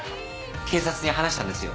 警察に話したんですよ。